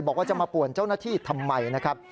บอกว่าจะมาป่วนเจ้าหน้าที่ทำไมนะครับ